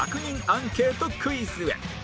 アンケートクイズへ